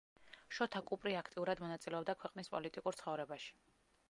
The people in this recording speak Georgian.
შოთა კუპრი აქტიურად მონაწილეობდა ქვეყნის პოლიტიკურ ცხოვრებაში.